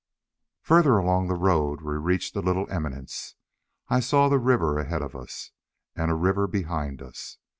Further along the road we reached a little eminence. I saw the river ahead of us, and a river behind us.